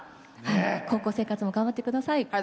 高校生活も頑張ってください。